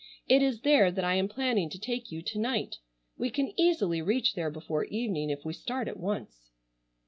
It is there that I am planning to take you to night. We can easily reach there before evening if we start at once."